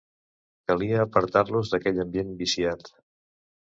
Calia apartar-los d’aquell ambient viciat.